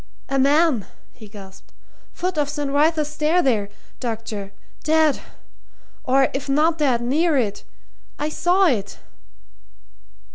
"A man!" he gasped. "Foot of St. Wrytha's Stair there, doctor. Dead or if not dead, near it. I saw it!"